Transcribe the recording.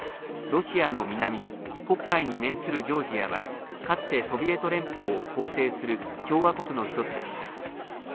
ロシアの南黒海に面するジョージアはかつてソビエト連邦を構成する共和国の１つでした。